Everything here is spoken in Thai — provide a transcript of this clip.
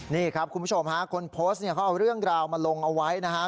นี่ครับคุณผู้ชมฮะคนโพสต์เนี่ยเขาเอาเรื่องราวมาลงเอาไว้นะครับ